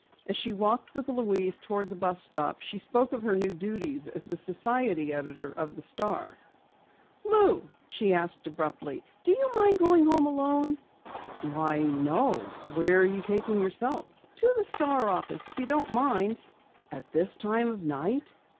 As she walked with Louise toward the bus stop she spoke of her new duties as society editor of the Star. "Lou," she asked abruptly, "do you mind going home alone?" "Why, no. Where are you taking yourself?" "To the Star office, if you don't mind." "At this time of night?"